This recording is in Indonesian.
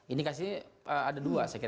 ini kasih ada dua saya kira